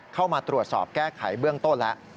เข้ามาตรวจสอบแก้ไขเบื้องต้นแล้ว